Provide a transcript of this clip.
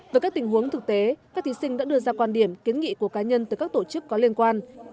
với các tình huống thực tế các thí sinh đã đưa ra quan điểm kiến nghị của cá nhân tới các tổ chức có liên quan